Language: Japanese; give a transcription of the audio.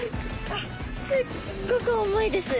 すっごく重いです。